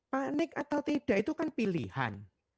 panik atau tidak itu kan pilihan